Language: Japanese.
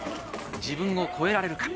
自分を超えられるか？